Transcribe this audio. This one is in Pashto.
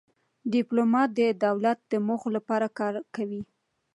ډيپلومات د دولت د موخو لپاره کار کوي.